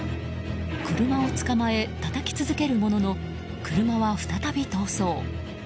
車を捕まえ、たたき続けるものの車は再び逃走。